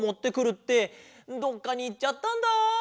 ってどっかにいっちゃったんだ。